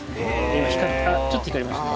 今ちょっと光りましたね。